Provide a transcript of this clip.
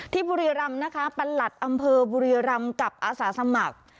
ที่บุรียะรัมนะคะประหลัดอำเภอบุรียะรัมกับอสสมัคร